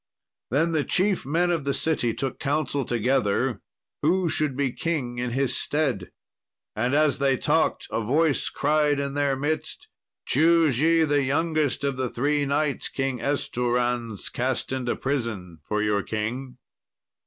Then the chief men of the city took counsel together who should be king in his stead, and as they talked, a voice cried in their midst, "Choose ye the youngest of the three knights King Estouranse cast into prison for your king."